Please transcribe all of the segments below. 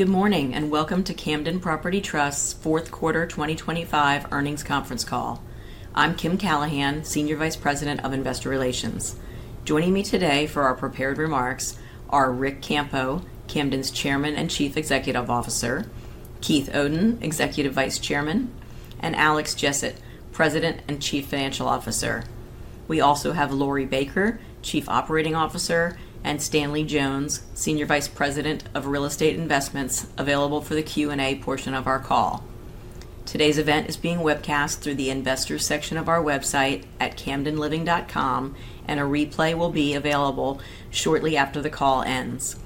Good morning, and welcome to Camden Property Trust's Fourth Quarter 2025 Earnings Conference Call. I'm Kim Callahan, Senior Vice President of Investor Relations. Joining me today for our prepared remarks are Ric Campo, Camden's Chairman and Chief Executive Officer; Keith Oden, Executive Vice Chairman; and Alex Jessett, President and Chief Financial Officer. We also have Laurie Baker, Chief Operating Officer, and Stanley Jones, Senior Vice President of Real Estate Investments, available for the Q&A portion of our call. Today's event is being webcast through the investors section of our website at camdenliving.com, and a replay will be available shortly after the call ends.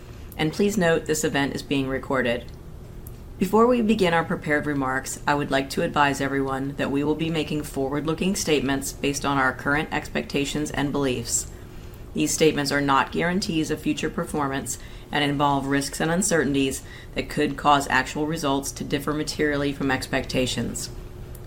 Please note, this event is being recorded. Before we begin our prepared remarks, I would like to advise everyone that we will be making forward-looking statements based on our current expectations and beliefs. These statements are not guarantees of future performance and involve risks and uncertainties that could cause actual results to differ materially from expectations.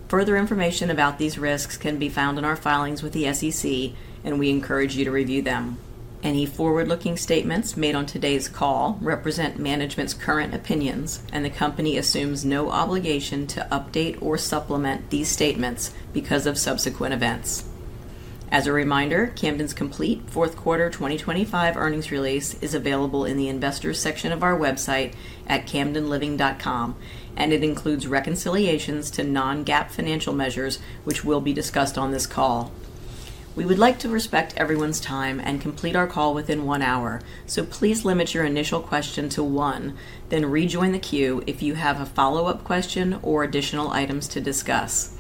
Further information about these risks can be found in our filings with the SEC, and we encourage you to review them. Any forward-looking statements made on today's call represent management's current opinions, and the company assumes no obligation to update or supplement these statements because of subsequent events. As a reminder, Camden's complete Fourth Quarter 2025 Earnings Release is available in the investors section of our website at camdenliving.com, and it includes reconciliations to non-GAAP financial measures, which will be discussed on this call. We would like to respect everyone's time and complete our call within one hour, so please limit your initial question to one, then rejoin the queue if you have a follow-up question or additional items to discuss.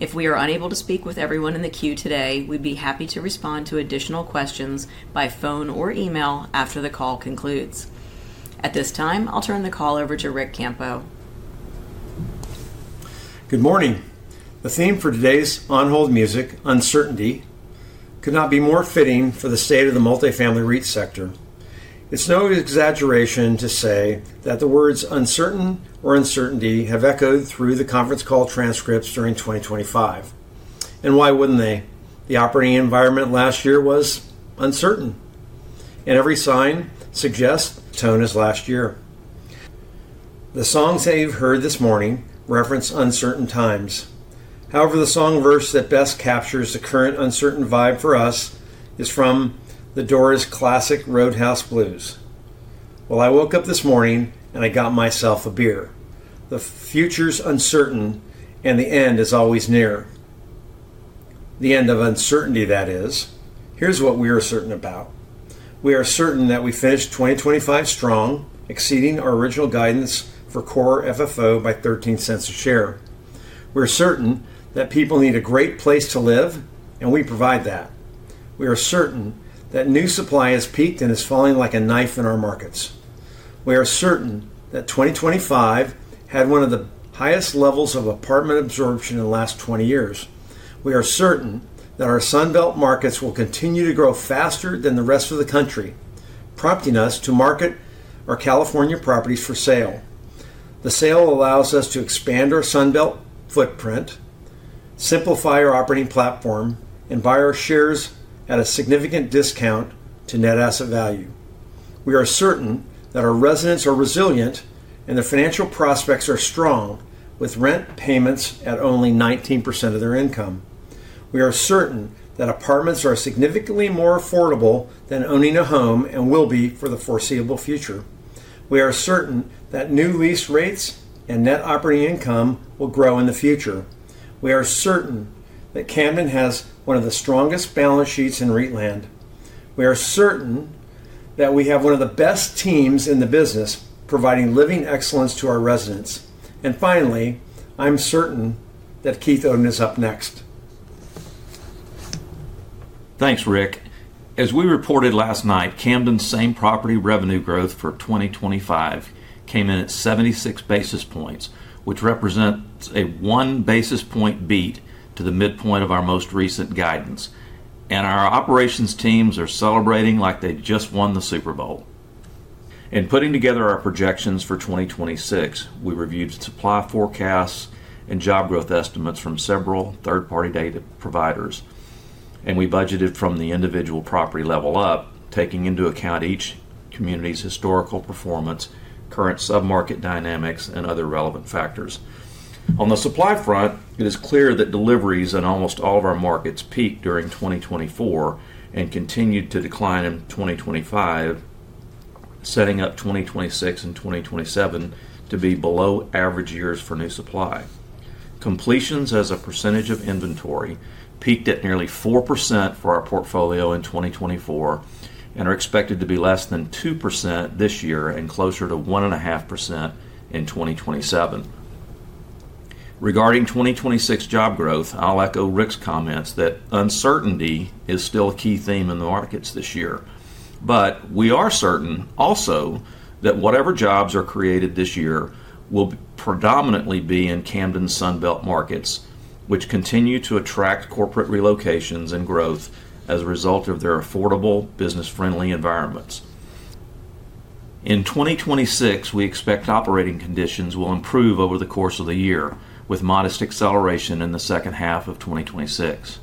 If we are unable to speak with everyone in the queue today, we'd be happy to respond to additional questions by phone or email after the call concludes. At this time, I'll turn the call over to Ric Campo. Good morning. The theme for today's on-hold music, Uncertainty, could not be more fitting for the state of the multifamily REIT sector. It's no exaggeration to say that the words uncertain or uncertainty have echoed through the conference call transcripts during 2025. Why wouldn't they? The operating environment last year was uncertain, and every sign suggests the tone is last year. The songs that you've heard this morning reference uncertain times. However, the song verse that best captures the current uncertain vibe for us is from The Doors' classic Roadhouse Blues. "Well, I woke up this morning, and I got myself a beer. The future's uncertain, and the end is always near." The end of uncertainty, that is. Here's what we are certain about. We are certain that we finished 2025 strong, exceeding our original guidance for Core FFO by $0.13 a share. We are certain that people need a great place to live, and we provide that. We are certain that new supply has peaked and is falling like a knife in our markets. We are certain that 2025 had one of the highest levels of apartment absorption in the last 20 years. We are certain that our Sun Belt markets will continue to grow faster than the rest of the country, prompting us to market our California properties for sale. The sale allows us to expand our Sun Belt footprint, simplify our operating platform, and buy our shares at a significant discount to net asset value. We are certain that our residents are resilient, and their financial prospects are strong, with rent payments at only 19% of their income. We are certain that apartments are significantly more affordable than owning a home and will be for the foreseeable future. We are certain that new lease rates and net operating income will grow in the future. We are certain that Camden has one of the strongest balance sheets in REIT land. We are certain that we have one of the best teams in the business, providing living excellence to our residents. And finally, I'm certain that Keith Oden is up next. Thanks, Ric. As we reported last night, Camden's same-property revenue growth for 2025 came in at 76 basis points, which represents a 1 basis point beat to the midpoint of our most recent guidance. And our operations teams are celebrating like they just won the Super Bowl. In putting together our projections for 2026, we reviewed supply forecasts and job growth estimates from several third-party data providers, and we budgeted from the individual property level up, taking into account each community's historical performance, current submarket dynamics, and other relevant factors. On the supply front, it is clear that deliveries in almost all of our markets peaked during 2024 and continued to decline in 2025, setting up 2026 and 2027 to be below average years for new supply. Completions as a percentage of inventory peaked at nearly 4% for our portfolio in 2024 and are expected to be less than 2% this year and closer to 1.5% in 2027. Regarding 2026 job growth, I'll echo Ric's comments that uncertainty is still a key theme in the markets this year. But we are certain also that whatever jobs are created this year will predominantly be in Camden's Sun Belt markets, which continue to attract corporate relocations and growth as a result of their affordable, business-friendly environments. In 2026, we expect operating conditions will improve over the course of the year, with modest acceleration in the second half of 2026.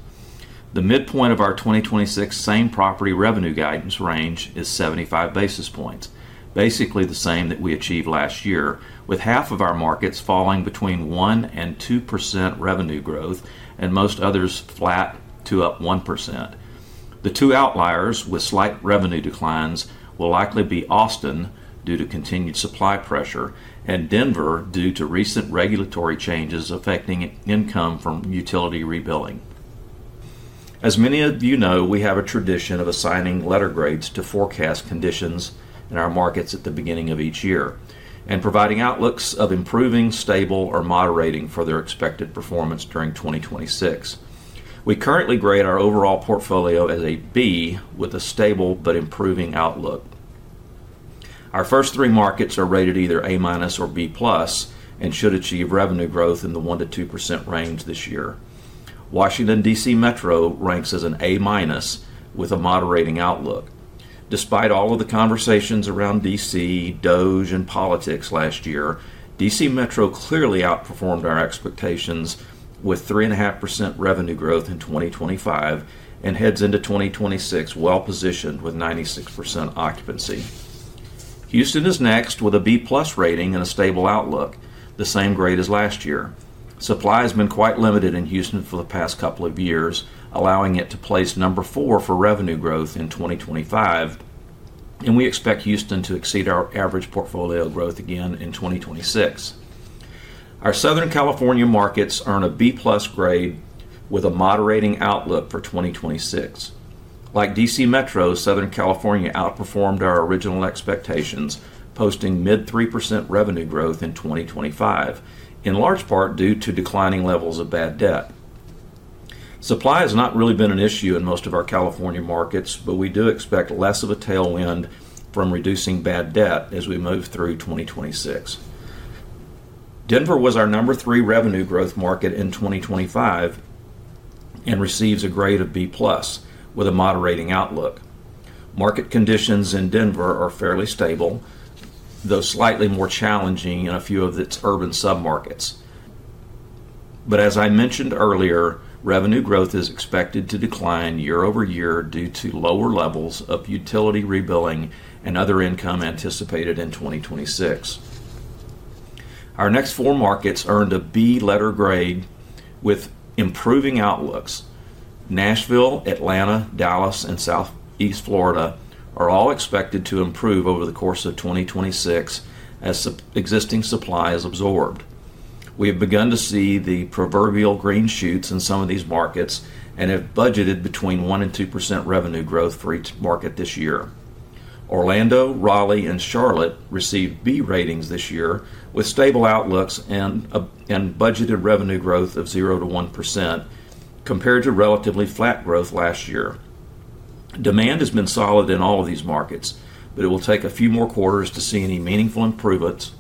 The midpoint of our 2026 same property revenue guidance range is 75 basis points. Basically, the same that we achieved last year, with half of our markets falling between 1% and 2% revenue growth, and most others flat to up 1%. The two outliers with slight revenue declines will likely be Austin, due to continued supply pressure, and Denver, due to recent regulatory changes affecting income from utility rebilling. As many of you know, we have a tradition of assigning letter grades to forecast conditions in our markets at the beginning of each year, and providing outlooks of improving, stable, or moderating for their expected performance during 2026. We currently grade our overall portfolio as a B, with a stable but improving outlook. Our first three markets are rated either A- or B+, and should achieve revenue growth in the 1%-2% range this year. Washington, D.C. Metro ranks as an A- with a moderating outlook. Despite all of the conversations around D.C., DOGE, and politics last year, D.C. Metro clearly outperformed our expectations with 3.5% revenue growth in 2025 and heads into 2026 well-positioned with 96% occupancy. Houston is next with a B+ rating and a stable outlook, the same grade as last year. Supply has been quite limited in Houston for the past couple of years, allowing it to place number four for revenue growth in 2025, and we expect Houston to exceed our average portfolio growth again in 2026. Our Southern California markets earn a B+ grade with a moderating outlook for 2026. Like D.C. Metro, Southern California outperformed our original expectations, posting mid 3% revenue growth in 2025, in large part due to declining levels of bad debt. Supply has not really been an issue in most of our California markets, but we do expect less of a tailwind from reducing bad debt as we move through 2026. Denver was our number three revenue growth market in 2025 and receives a grade of B+ with a moderating outlook. Market conditions in Denver are fairly stable, though slightly more challenging in a few of its urban submarkets. But as I mentioned earlier, revenue growth is expected to decline year-over-year due to lower levels of utility rebilling and other income anticipated in 2026. Our next four markets earned a B letter grade with improving outlooks. Nashville, Atlanta, Dallas, and Southeast Florida are all expected to improve over the course of 2026 as existing supply is absorbed. We have begun to see the proverbial green shoots in some of these markets and have budgeted between 1% and 2% revenue growth for each market this year. Orlando, Raleigh, and Charlotte received B ratings this year, with stable outlooks and budgeted revenue growth of 0% to 1%, compared to relatively flat growth last year. Demand has been solid in all of these markets, but it will take a few more quarters to see any meaningful improvements,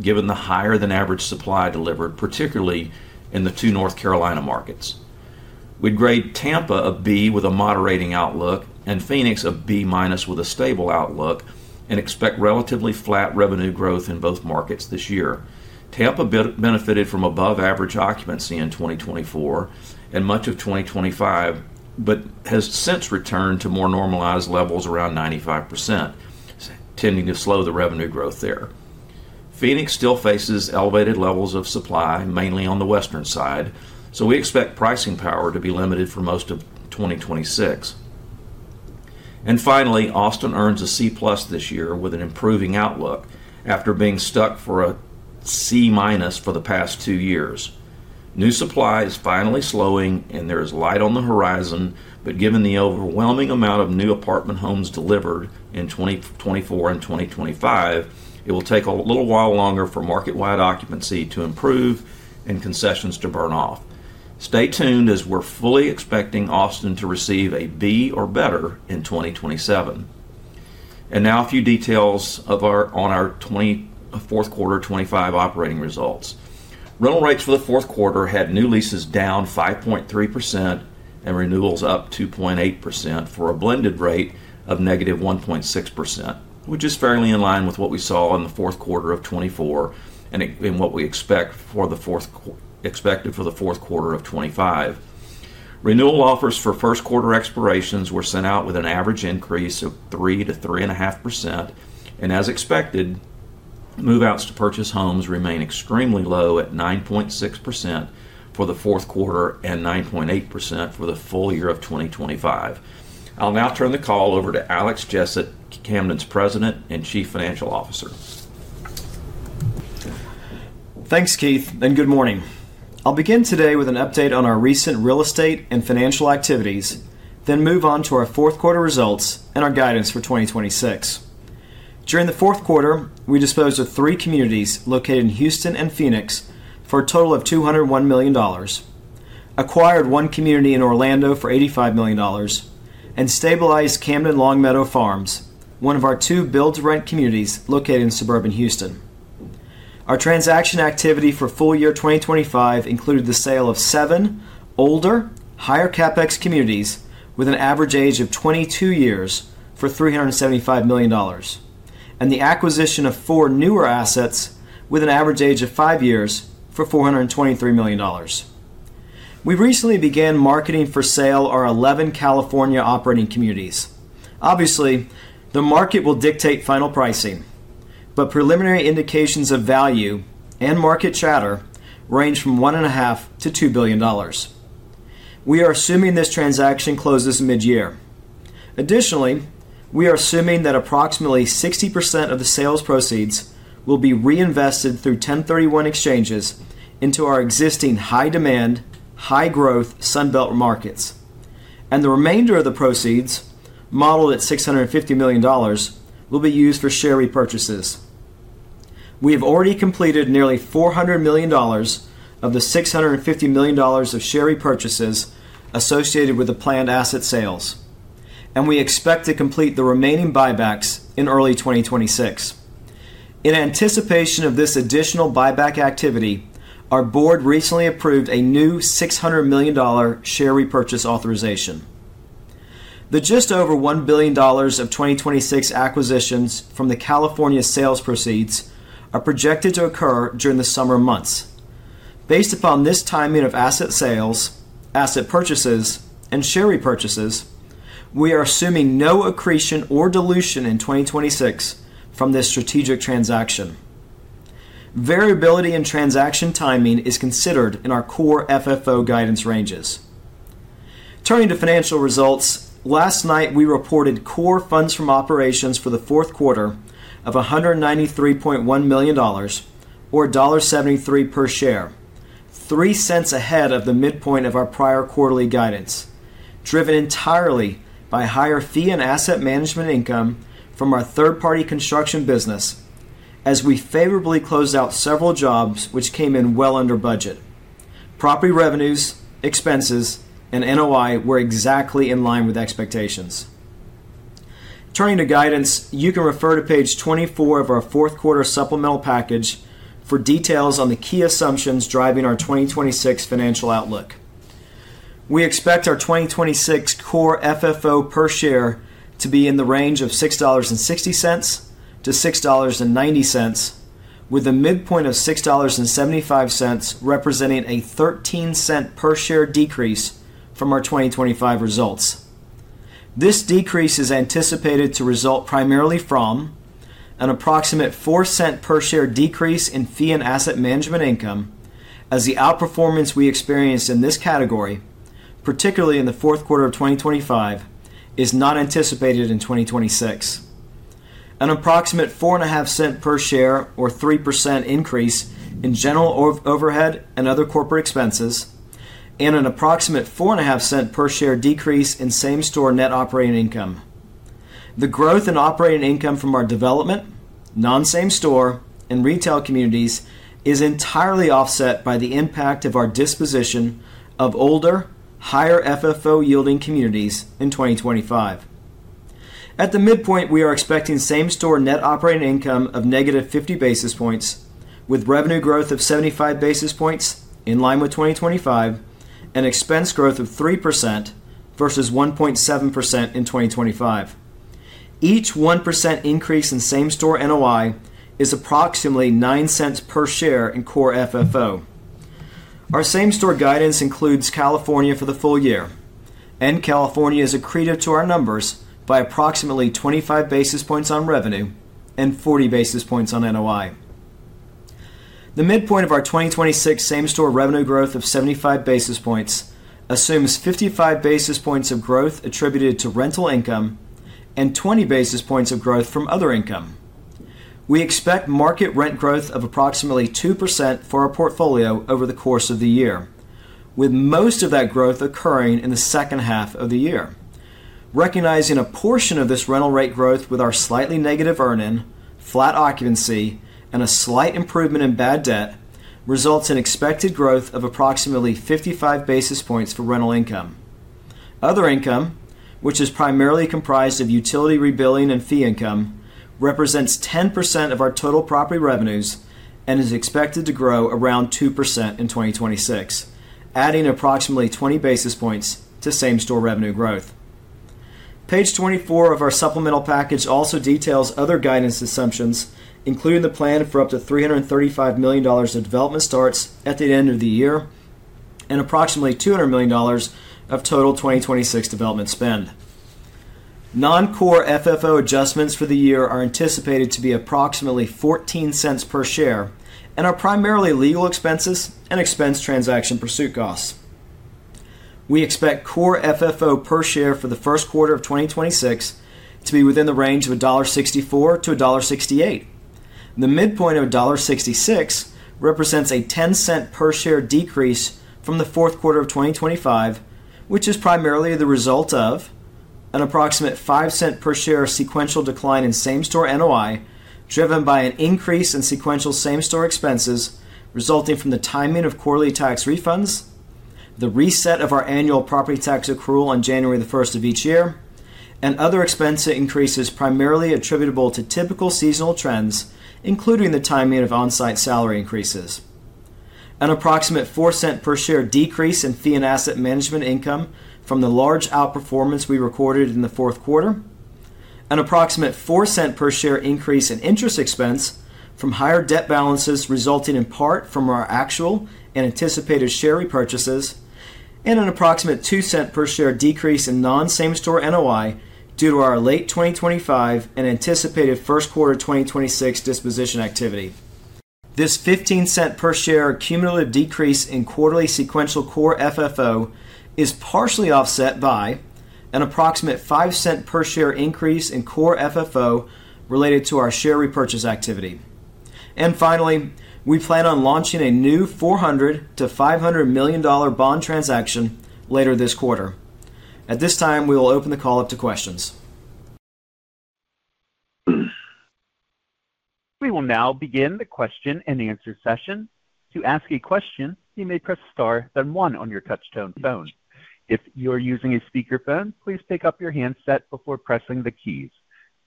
given the higher than average supply delivered, particularly in the two North Carolina markets. We'd grade Tampa a B with a moderating outlook and Phoenix a B- with a stable outlook, and expect relatively flat revenue growth in both markets this year. Tampa benefited from above average occupancy in 2024 and much of 2025, but has since returned to more normalized levels around 95%, tending to slow the revenue growth there. Phoenix still faces elevated levels of supply, mainly on the western side, so we expect pricing power to be limited for most of 2026. And finally, Austin earns a C+ this year with an improving outlook after being stuck for a C- for the past two years. New supply is finally slowing, and there is light on the horizon, but given the overwhelming amount of new apartment homes delivered in 2024 and 2025, it will take a little while longer for market-wide occupancy to improve and concessions to burn off. Stay tuned, as we're fully expecting Austin to receive a B or better in 2027. And now a few details of our... on our fourth quarter 2025 operating results. Rental rates for the fourth quarter had new leases down 5.3% and renewals up 2.8%, for a blended rate of -1.6%, which is fairly in line with what we saw in the fourth quarter of 2024 and in what we expected for the fourth quarter of 2025. Renewal offers for first quarter expirations were sent out with an average increase of 3%-3.5%, and as expected, move-outs to purchase homes remain extremely low at 9.6% for the fourth quarter and 9.8% for the full year of 2025. I'll now turn the call over to Alex Jessett, Camden's President and Chief Financial Officer. Thanks, Keith, and good morning. I'll begin today with an update on our recent real estate and financial activities, then move on to our fourth quarter results and our guidance for 2026. During the fourth quarter, we disposed of three communities located in Houston and Phoenix for a total of $201 million, acquired one community in Orlando for $85 million, and stabilized Camden Long Meadow Farms, one of our two build-to-rent communities located in suburban Houston. Our transaction activity for full year 2025 included the sale of seven older, higher CapEx communities with an average age of 22 years for $375 million... and the acquisition of four newer assets with an average age of five years for $423 million. We recently began marketing for sale our 11 California operating communities. Obviously, the market will dictate final pricing, but preliminary indications of value and market chatter range from $1.5 billion-$2 billion. We are assuming this transaction closes mid-year. Additionally, we are assuming that approximately 60% of the sales proceeds will be reinvested through 1031 exchanges into our existing high demand, high growth Sun Belt markets, and the remainder of the proceeds, modeled at $650 million, will be used for share repurchases. We have already completed nearly $400 million of the $650 million of share repurchases associated with the planned asset sales, and we expect to complete the remaining buybacks in early 2026. In anticipation of this additional buyback activity, our board recently approved a new $600 million share repurchase authorization. The just over $1 billion of 2026 acquisitions from the California sales proceeds are projected to occur during the summer months. Based upon this timing of asset sales, asset purchases, and share repurchases, we are assuming no accretion or dilution in 2026 from this strategic transaction. Variability in transaction timing is considered in our core FFO guidance ranges. Turning to financial results, last night, we reported core funds from operations for the fourth quarter of $193.1 million, or $1.73 per share, $0.03 ahead of the midpoint of our prior quarterly guidance, driven entirely by higher fee and asset management income from our third-party construction business as we favorably closed out several jobs which came in well under budget. Property revenues, expenses, and NOI were exactly in line with expectations. Turning to guidance, you can refer to page 24 of our fourth quarter supplemental package for details on the key assumptions driving our 2026 financial outlook. We expect our 2026 Core FFO per share to be in the range of $6.60-$6.90, with a midpoint of $6.75, representing $0.13 per share decrease from our 2025 results. This decrease is anticipated to result primarily from an approximate $0.04 per share decrease in fee and asset management income as the outperformance we experienced in this category, particularly in the fourth quarter of 2025, is not anticipated in 2026. An approximate $0.045 per share or 3% increase in general overhead and other corporate expenses, and an approximate $0.045 per share decrease in same-store net operating income. The growth in operating income from our development, non-same-store, and retail communities is entirely offset by the impact of our disposition of older, higher FFO-yielding communities in 2025. At the midpoint, we are expecting same-store net operating income of negative 50 basis points, with revenue growth of 75 basis points in line with 2025, and expense growth of 3% versus 1.7% in 2025. Each 1% increase in same-store NOI is approximately $0.09 per share in core FFO. Our same-store guidance includes California for the full year, and California is accretive to our numbers by approximately 25 basis points on revenue and 40 basis points on NOI. The midpoint of our 2026 same-store revenue growth of 75 basis points assumes 55 basis points of growth attributed to rental income and 20 basis points of growth from other income. We expect market rent growth of approximately 2% for our portfolio over the course of the year, with most of that growth occurring in the second half of the year. Recognizing a portion of this rental rate growth with our slightly negative earn-in, flat occupancy, and a slight improvement in bad debt, results in expected growth of approximately 55 basis points for rental income. Other income, which is primarily comprised of utility rebilling and fee income, represents 10% of our total property revenues and is expected to grow around 2% in 2026, adding approximately 20 basis points to same-store revenue growth. Page 24 of our supplemental package also details other guidance assumptions, including the plan for up to $335 million in development starts at the end of the year and approximately $200 million of total 2026 development spend. Non-core FFO adjustments for the year are anticipated to be approximately $0.14 per share and are primarily legal expenses and expense transaction pursuit costs. We expect core FFO per share for the first quarter of 2026 to be within the range of $1.64-$1.68. The midpoint of $1.66 represents a $0.10 per share decrease from the fourth quarter of 2025, which is primarily the result of an approximate $0.05 per share sequential decline in same-store NOI, driven by an increase in sequential same-store expenses resulting from the timing of quarterly tax refunds, the reset of our annual property tax accrual on January 1 of each year, and other expense increases primarily attributable to typical seasonal trends, including the timing of on-site salary increases. An approximate $0.04 per share decrease in fee and asset management income from the large outperformance we recorded in the fourth quarter. An approximate $0.04 per share increase in interest expense from higher debt balances, resulting in part from our actual and anticipated share repurchases. an approximate $0.02 per share decrease in non-same store NOI, due to our late 2025 and anticipated first quarter 2026 disposition activity. This $0.15 per share cumulative decrease in quarterly sequential Core FFO is partially offset by an approximate $0.05 per share increase in Core FFO related to our share repurchase activity. finally, we plan on launching a new $400 million-$500 million bond transaction later this quarter. At this time, we will open the call up to questions. We will now begin the question and answer session. To ask a question, you may press Star, then one on your touch-tone phone. If you're using a speakerphone, please pick up your handset before pressing the keys.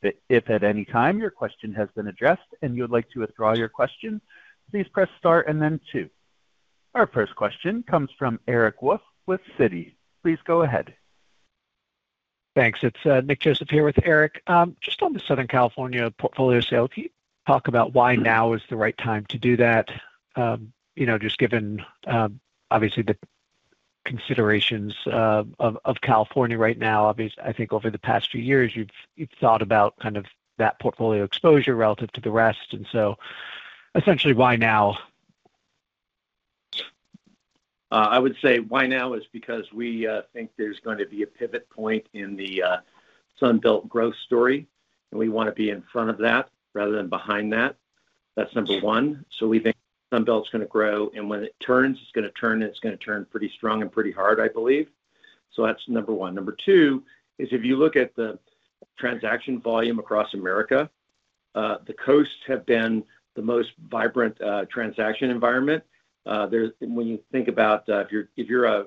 But if at any time your question has been addressed and you'd like to withdraw your question, please press Star and then two. Our first question comes from Eric Wolfe with Citi. Please go ahead. Thanks. It's Nick Joseph here with Eric. Just on the Southern California portfolio sale, can you talk about why now is the right time to do that? You know, just given obviously the considerations of California right now. I think over the past few years, you've thought about kind of that portfolio exposure relative to the rest, and so essentially, why now? I would say why now is because we think there's going to be a pivot point in the Sun Belt growth story, and we want to be in front of that rather than behind that. That's number one. So we think Sun Belt is gonna grow, and when it turns, it's gonna turn pretty strong and pretty hard, I believe. So that's number one. Number two is, if you look at the transaction volume across America, the coasts have been the most vibrant transaction environment. When you think about, if you're a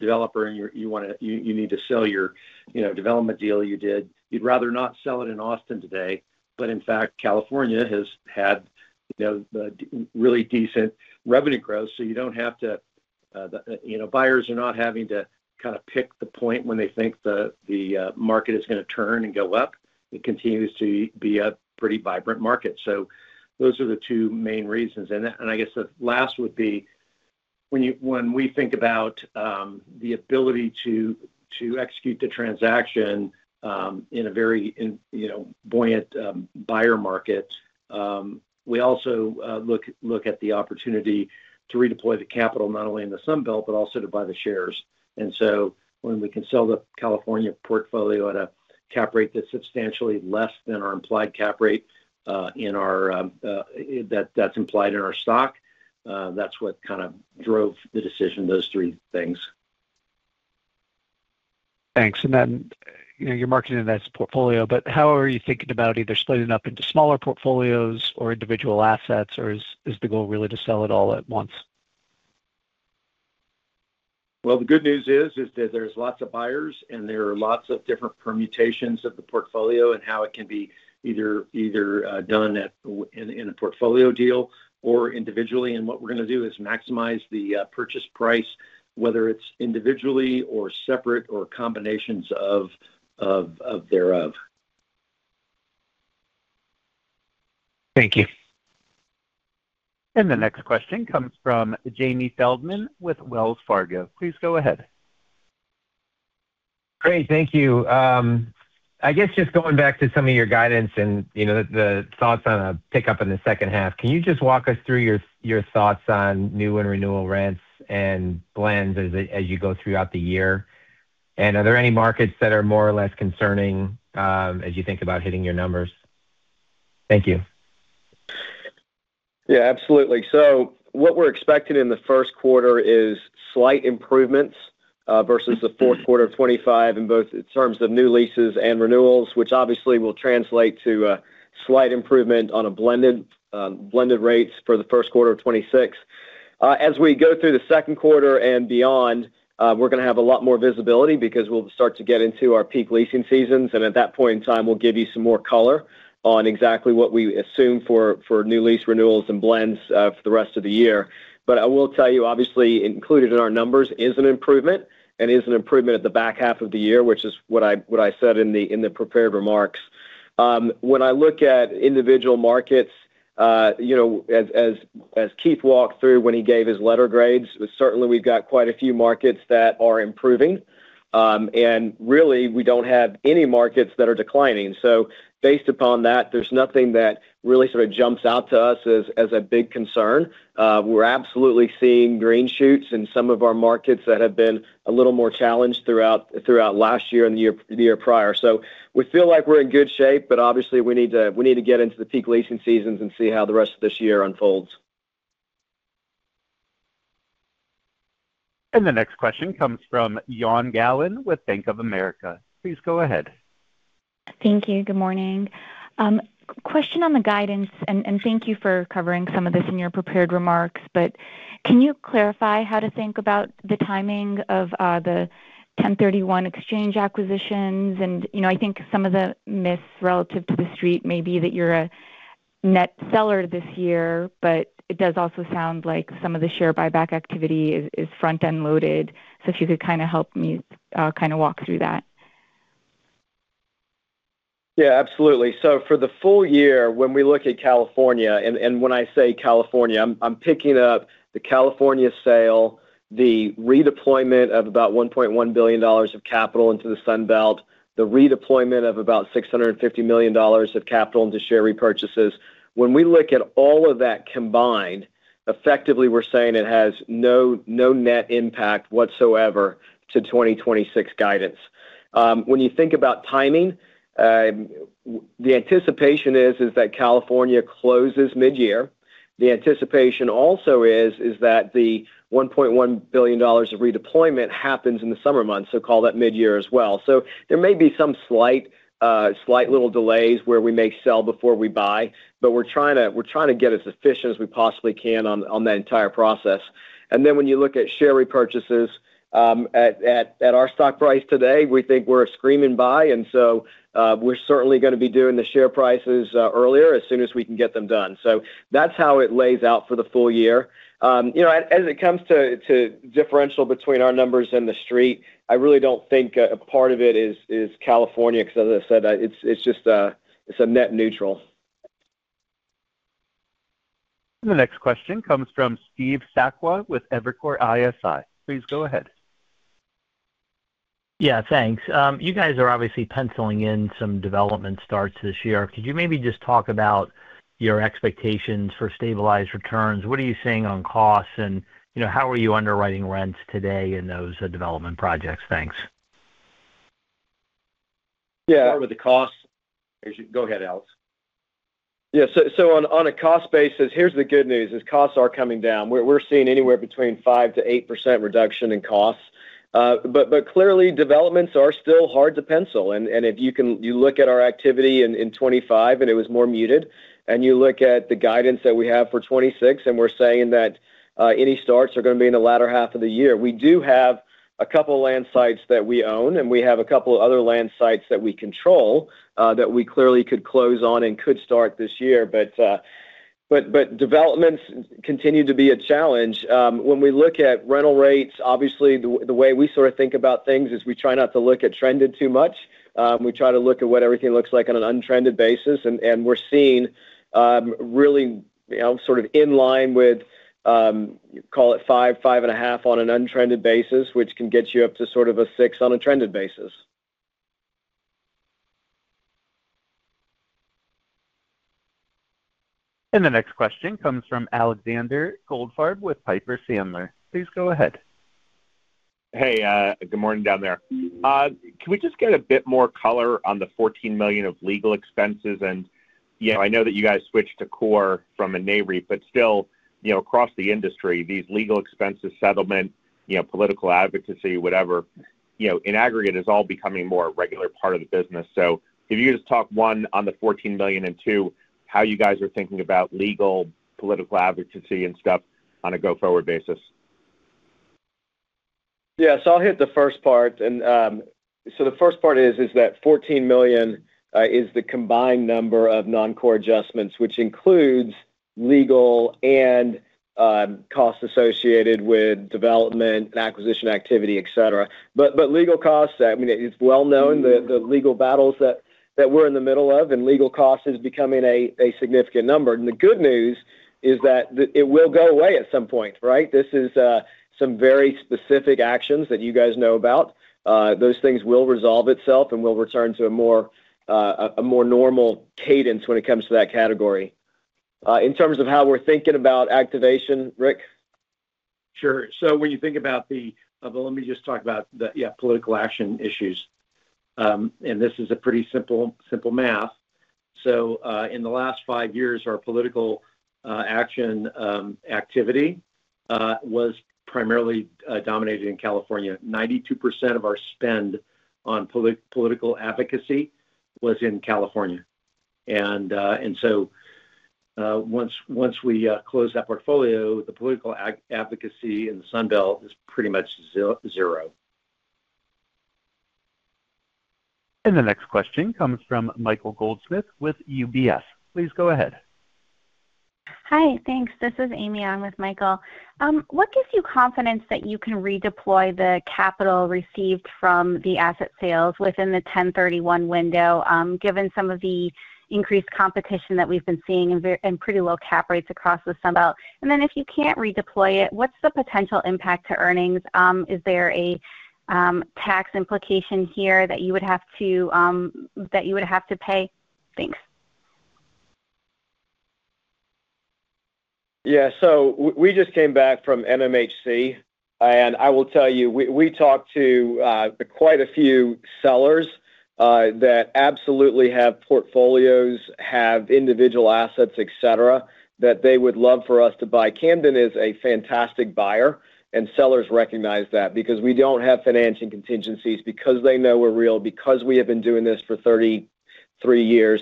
developer and you want to sell your, you know, development deal you did, you'd rather not sell it in Austin today. But in fact, California has had, you know, really decent revenue growth, so you don't have to, you know, buyers are not having to kinda pick the point when they think the market is gonna turn and go up. It continues to be a pretty vibrant market. So those are the two main reasons. And I guess the last would be, when we think about the ability to execute the transaction in a very, you know, buoyant buyer market, we also look at the opportunity to redeploy the capital not only in the Sun Belt, but also to buy the shares. When we can sell the California portfolio at a cap rate that's substantially less than our implied cap rate that's implied in our stock, that's what kind of drove the decision, those three things. Thanks. And then, you know, you're marketing that portfolio, but how are you thinking about either splitting it up into smaller portfolios or individual assets, or is the goal really to sell it all at once? Well, the good news is that there's lots of buyers, and there are lots of different permutations of the portfolio and how it can be either done in a portfolio deal or individually. What we're gonna do is maximize the purchase price, whether it's individually or separate or combinations thereof. Thank you. The next question comes from Jamie Feldman with Wells Fargo. Please go ahead. Great, thank you. I guess just going back to some of your guidance and, you know, the thoughts on a pickup in the second half. Can you just walk us through your, your thoughts on new and renewal rents and blends as, as you go throughout the year? And are there any markets that are more or less concerning, as you think about hitting your numbers? Thank you. Yeah, absolutely. So what we're expecting in the first quarter is slight improvements versus the fourth quarter of 2025, in both in terms of new leases and renewals, which obviously will translate to a slight improvement on a blended blended rates for the first quarter of 2026. As we go through the second quarter and beyond, we're gonna have a lot more visibility because we'll start to get into our peak leasing seasons. And at that point in time, we'll give you some more color on exactly what we assume for for new lease renewals and blends for the rest of the year. But I will tell you, obviously, included in our numbers is an improvement, and is an improvement at the back half of the year, which is what I what I said in the in the prepared remarks. When I look at individual markets, you know, as Keith walked through when he gave his letter grades, certainly we've got quite a few markets that are improving. And really, we don't have any markets that are declining. So based upon that, there's nothing that really sort of jumps out to us as a big concern. We're absolutely seeing green shoots in some of our markets that have been a little more challenged throughout last year and the year prior. So we feel like we're in good shape, but obviously, we need to get into the peak leasing seasons and see how the rest of this year unfolds. The next question comes from Ianna Gallen with Bank of America. Please go ahead. Thank you. Good morning. Question on the guidance, and thank you for covering some of this in your prepared remarks, but can you clarify how to think about the timing of the 1031 exchange acquisitions? And, you know, I think some of the myths relative to the street may be that you're a net seller this year, but it does also sound like some of the share buyback activity is front-end loaded. So if you could kind of help me kind of walk through that? Yeah, absolutely. So for the full year, when we look at California, and when I say California, I'm picking up the California sale, the redeployment of about $1.1 billion of capital into the Sun Belt, the redeployment of about $650 million of capital into share repurchases. When we look at all of that combined, effectively, we're saying it has no, no net impact whatsoever to 2026 guidance. When you think about timing, the anticipation is that California closes mid-year. The anticipation also is that the $1.1 billion of redeployment happens in the summer months, so call that mid-year as well. So there may be some slight, slight little delays where we may sell before we buy, but we're trying to, we're trying to get as efficient as we possibly can on, on that entire process. And then when you look at share repurchases, at our stock price today, we think we're screaming buy, and so, we're certainly gonna be doing the share prices, earlier, as soon as we can get them done. So that's how it lays out for the full year. You know, as it comes to differential between our numbers and the street, I really don't think a part of it is California, 'cause as I said, it's just a, it's a net neutral. The next question comes from Steve Sakwa with Evercore ISI. Please go ahead. Yeah, thanks. You guys are obviously penciling in some development starts this year. Could you maybe just talk about your expectations for stabilized returns? What are you seeing on costs, and, you know, how are you underwriting rents today in those development projects? Thanks. Yeah- Start with the costs. Go ahead, Alex. Yeah. So on a cost basis, here's the good news, is costs are coming down. We're seeing anywhere between 5%-8% reduction in costs. But clearly, developments are still hard to pencil. And if you can—you look at our activity in 2025, and it was more muted, and you look at the guidance that we have for 2026, and we're saying that any starts are gonna be in the latter half of the year. We do have a couple land sites that we own, and we have a couple other land sites that we control, that we clearly could close on and could start this year. But developments continue to be a challenge. When we look at rental rates, obviously, the way we sort of think about things is we try not to look at trended too much. We try to look at what everything looks like on an untrended basis, and we're seeing, really, you know, sort of in line with, call it 5%-5.5% on an untrended basis, which can get you up to sort of a 6% on a trended basis. The next question comes from Alexander Goldfarb with Piper Sandler. Please go ahead. Hey, good morning down there. Can we just get a bit more color on the $14 million of legal expenses? And, you know, I know that you guys switched to core from a Nareit, but still, you know, across the industry, these legal expenses, settlement, you know, political advocacy, whatever, you know, in aggregate, is all becoming a more regular part of the business. So if you just talk, one, on the $14 million, and two, how you guys are thinking about legal, political advocacy, and stuff on a go-forward basis. Yeah. So I'll hit the first part. So the first part is that $14 million is the combined number of non-core adjustments, which includes legal and costs associated with development and acquisition activity, et cetera. But legal costs, I mean, it's well known that the legal battles that we're in the middle of, and legal cost is becoming a significant number. The good news is that it will go away at some point, right? This is some very specific actions that you guys know about. Those things will resolve itself, and we'll return to a more, a more normal cadence when it comes to that category. In terms of how we're thinking about activation, Ric? Sure. So when you think about the... Well, let me just talk about the, yeah, political action issues. And this is a pretty simple math. So, in the last five years, our political action activity was primarily dominated in California. 92% of our spend on political advocacy was in California. And so, once we close that portfolio, the political advocacy in the Sun Belt is pretty much zero. The next question comes from Michael Goldsmith with UBS. Please go ahead. Hi, thanks. This is Ami. I'm with Michael. What gives you confidence that you can redeploy the capital received from the asset sales within the 1031 window, given some of the increased competition that we've been seeing and pretty low cap rates across the Sun Belt? And then, if you can't redeploy it, what's the potential impact to earnings? Is there a tax implication here that you would have to pay? Thanks. Yeah. So we just came back from NMHC, and I will tell you, we talked to quite a few sellers that absolutely have portfolios, have individual assets, et cetera, that they would love for us to buy. Camden is a fantastic buyer, and sellers recognize that because we don't have financing contingencies, because they know we're real, because we have been doing this for 33 years.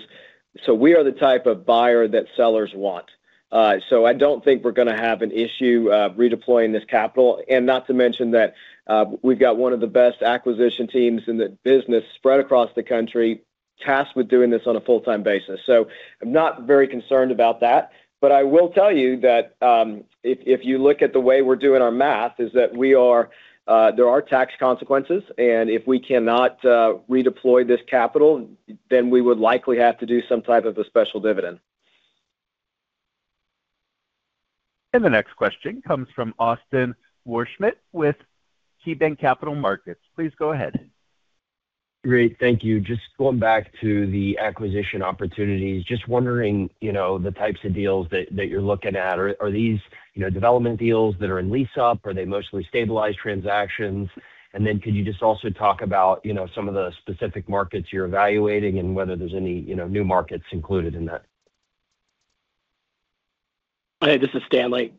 So we are the type of buyer that sellers want. So I don't think we're gonna have an issue redeploying this capital. And not to mention that, we've got one of the best acquisition teams in the business spread across the country, tasked with doing this on a full-time basis. So I'm not very concerned about that. But I will tell you that, if you look at the way we're doing our math, is that we are there are tax consequences, and if we cannot redeploy this capital, then we would likely have to do some type of a special dividend. The next question comes from Austin Wurschmidt with KeyBanc Capital Markets. Please go ahead. Great, thank you. Just going back to the acquisition opportunities, just wondering, you know, the types of deals that you're looking at. Are these, you know, development deals that are in lease up? Are they mostly stabilized transactions? And then could you just also talk about, you know, some of the specific markets you're evaluating and whether there's any, you know, new markets included in that? Hey, this is Stanley.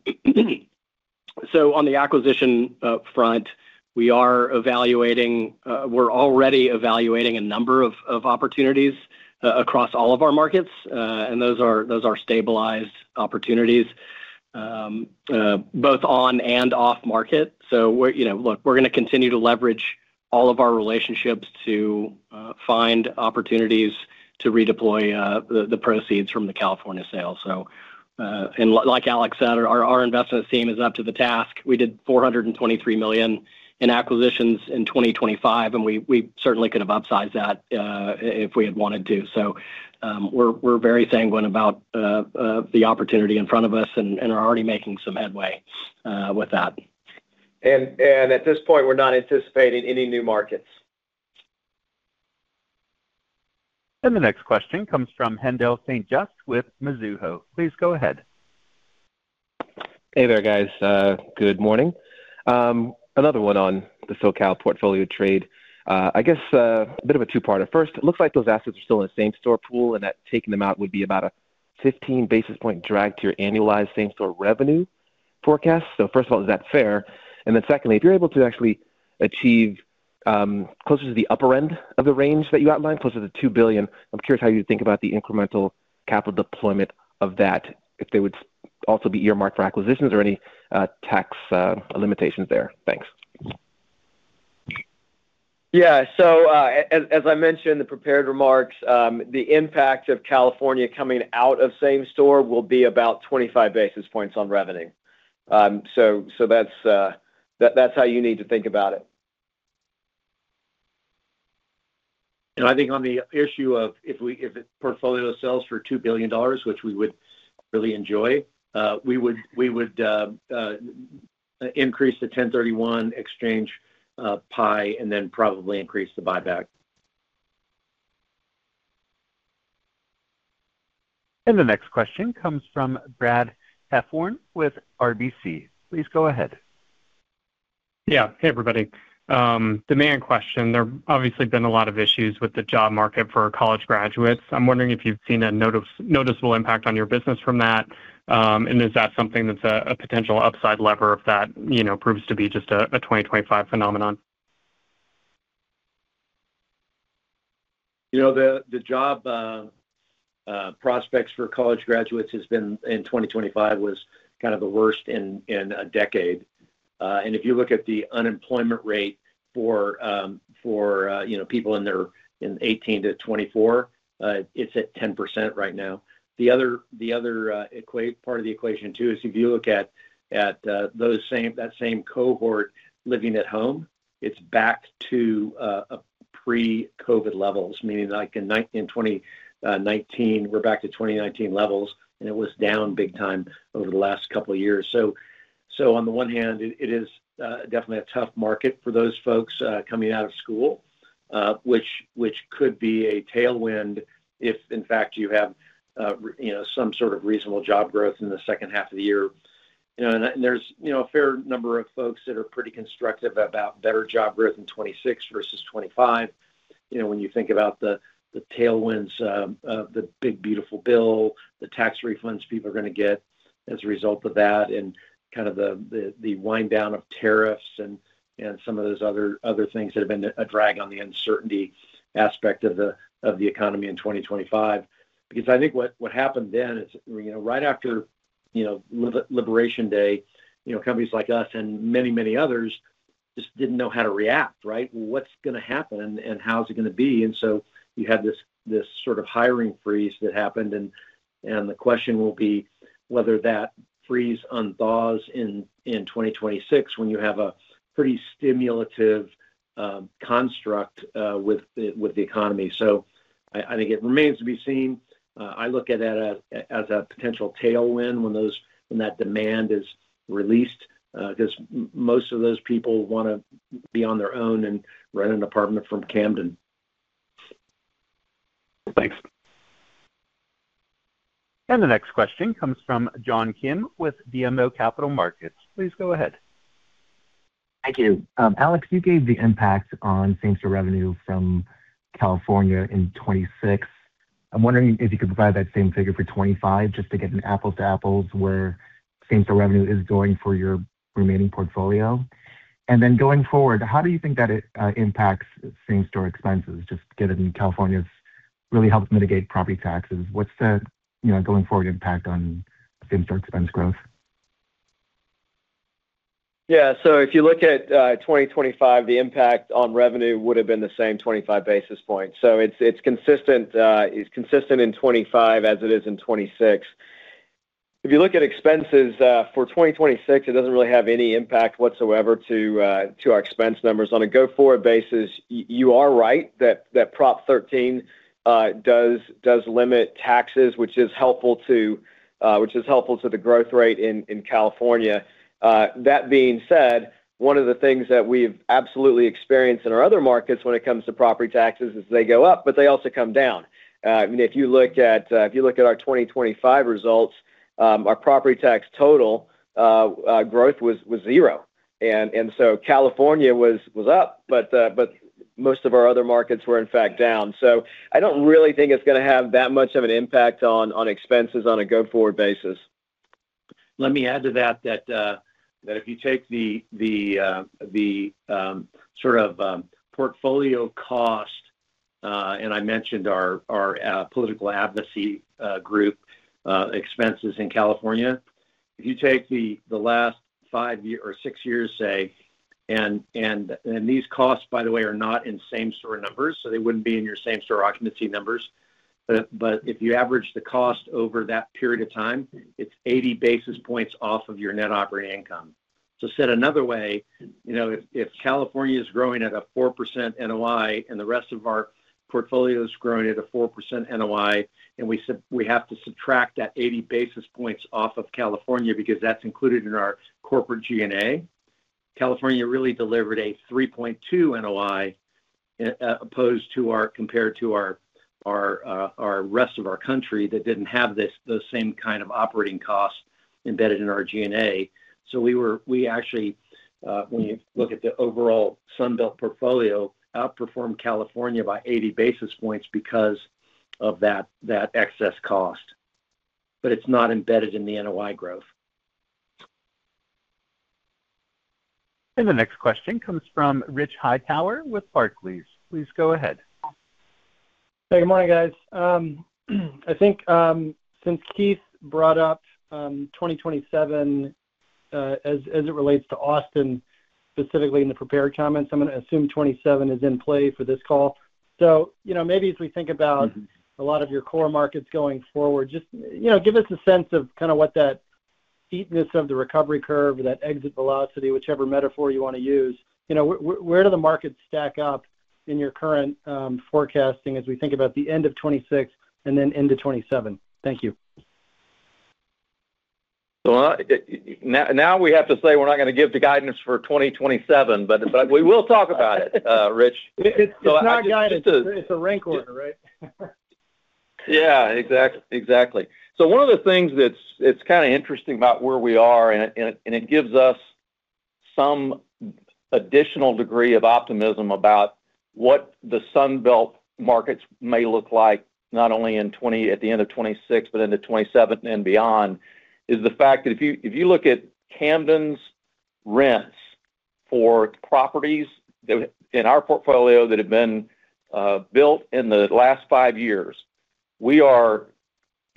So on the acquisition front, we are evaluating, we're already evaluating a number of opportunities across all of our markets, and those are stabilized opportunities, both on and off market. So we're, you know... Look, we're gonna continue to leverage all of our relationships to find opportunities to redeploy the proceeds from the California sale. So, and like Alex said, our investment team is up to the task. We did $423 million in acquisitions in 2025, and we certainly could have upsized that, if we had wanted to. So, we're very sanguine about the opportunity in front of us and are already making some headway with that. At this point, we're not anticipating any new markets. The next question comes from Haendel St. Juste with Mizuho. Please go ahead. Hey there, guys. Good morning. Another one on the SoCal portfolio trade. I guess, a bit of a two-parter. First, it looks like those assets are still in the same-store pool, and that taking them out would be about a 15 basis point drag to your annualized same-store revenue forecast. So first of all, is that fair? And then secondly, if you're able to actually achieve closer to the upper end of the range that you outlined, closer to $2 billion, I'm curious how you think about the incremental capital deployment of that, if they would also be earmarked for acquisitions or any tax limitations there. Thanks. Yeah, so, as I mentioned in the prepared remarks, the impact of California coming out of same store will be about 25 basis points on revenue. So, that's how you need to think about it. I think on the issue of if the portfolio sells for $2 billion, which we would really enjoy, we would increase the 1031 exchange pie, and then probably increase the buyback. The next question comes from Brad Heffern with RBC. Please go ahead. Yeah. Hey, everybody. Demand question. There's obviously been a lot of issues with the job market for college graduates. I'm wondering if you've seen a noticeable impact on your business from that, and is that something that's a potential upside lever if that, you know, proves to be just a 2025 phenomenon? You know, the job prospects for college graduates has been, in 2025, was kind of the worst in a decade. And if you look at the unemployment rate for, you know, people in their-- in 18-24, it's at 10% right now. The other, part of the equation, too, is if you look at, those same-- that same cohort living at home, it's back to a pre-COVID levels, meaning like in nine-- in 2019, we're back to 2019 levels, and it was down big time over the last couple of years. So on the one hand, it is definitely a tough market for those folks coming out of school, which could be a tailwind, if in fact you have you know some sort of reasonable job growth in the second half of the year. You know, and there's you know a fair number of folks that are pretty constructive about better job growth in 2026 versus 2025. You know, when you think about the tailwinds of the big, beautiful bill, the tax refunds people are gonna get as a result of that, and kind of the wind down of tariffs and some of those other things that have been a drag on the uncertainty aspect of the economy in 2025. Because I think what, what happened then is, you know, right after, you know, liberation day, you know, companies like us and many, many others just didn't know how to react, right? What's gonna happen, and how is it gonna be? And so you had this, this sort of hiring freeze that happened, and, and the question will be whether that freeze unthaws in, in 2026, when you have a pretty stimulative construct with the, with the economy. So I, I think it remains to be seen. I look at that as, as a potential tailwind when that demand is released, 'cause most of those people wanna be on their own and rent an apartment from Camden. Thanks. The next question comes from John Kim with BMO Capital Markets. Please go ahead. Thank you. Alex, you gave the impact on same-store revenue from California in 2026. I'm wondering if you could provide that same figure for 2025, just to get an apples to apples, where same-store revenue is going for your remaining portfolio. And then going forward, how do you think that it impacts same-store expenses? Just given California's really helped mitigate property taxes, what's the, you know, going forward impact on same-store expense growth. .Yeah, so if you look at 2025, the impact on revenue would have been the same 25 basis points. So it's, it's consistent, it's consistent in 2025 as it is in 2026. If you look at expenses for 2026, it doesn't really have any impact whatsoever to our expense numbers. On a go-forward basis, you are right, that, that Prop 13 does, does limit taxes, which is helpful to, which is helpful to the growth rate in California. That being said, one of the things that we've absolutely experienced in our other markets when it comes to property taxes is they go up, but they also come down. I mean, if you look at our 2025 results, our property tax total growth was zero. And so California was up, but most of our other markets were in fact down. So I don't really think it's gonna have that much of an impact on expenses on a go-forward basis. Let me add to that, that if you take the sort of portfolio cost, and I mentioned our political advocacy group expenses in California. If you take the last five-year or six-year period, say, and these costs, by the way, are not in same-store numbers, so they wouldn't be in your same-store occupancy numbers. But if you average the cost over that period of time, it's 80 basis points off of your net operating income. To say it another way, you know, if California is growing at a 4% NOI, and the rest of our portfolio is growing at a 4% NOI, and we have to subtract that 80 basis points off of California because that's included in our corporate G&A. California really delivered a 3.2% NOI, compared to our rest of our country that didn't have this, the same kind of operating costs embedded in our G&A. So we actually, when you look at the overall Sunbelt portfolio, outperformed California by 80 basis points because of that, that excess cost, but it's not embedded in the NOI growth. The next question comes from Rich Hightower with Barclays. Please go ahead. Hey, good morning, guys. I think, since Keith brought up, 2027, as, as it relates to Austin, specifically in the prepared comments, I'm gonna assume 2027 is in play for this call. So, you know, maybe as we think about a lot of your core markets going forward, just, you know, give us a sense of kind of what that steepness of the recovery curve or that exit velocity, whichever metaphor you want to use. You know, where, where do the markets stack up in your current, forecasting as we think about the end of 2026 and then into 2027? Thank you. So, now we have to say we're not gonna give the guidance for 2027, but we will talk about it, Rich. It's not guidance, it's a rank order, right? Yeah, exactly, exactly. So one of the things that's, it's kinda interesting about where we are, and it gives us some additional degree of optimism about what the Sun Belt markets may look like, not only in twenty... at the end of 2026, but into 2027 and beyond. Is the fact that if you, if you look at Camden's rents for properties that in our portfolio that have been built in the last five years, we are,